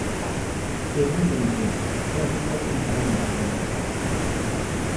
És intel·ligent, però no es pot comparar amb l'altre mestre.